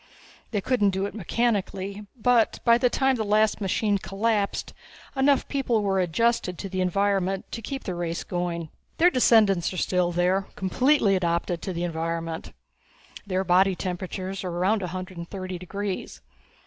They couldn't do it mechanically, but by the time the last machine collapsed, enough people were adjusted to the environment to keep the race going. "Their descendants are still there, completely adapted to the environment. Their body temperatures are around a hundred and thirty degrees.